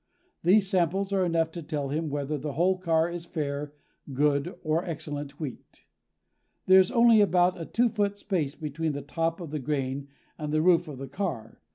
These samples are enough to tell him whether the whole car is fair, good, or excellent wheat. There is only about a two foot space between the top of the grain and the roof of the car.